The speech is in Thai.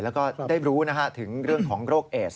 แล้วก็ได้รู้ถึงเรื่องของโรคเอส